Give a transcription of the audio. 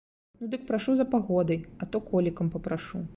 Ну, дык прашу за пагодай, а то колікам папрашу.